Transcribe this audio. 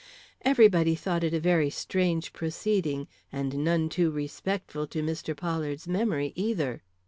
Everybody thought it a very strange proceeding, and none too respectful to Mr. Pollard's memory either."